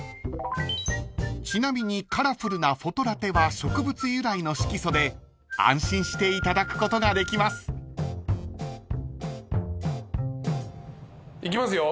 ［ちなみにカラフルなフォトラテは植物由来の色素で安心していただくことができます］いきますよ。